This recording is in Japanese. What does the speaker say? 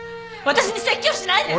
私に説教しないで！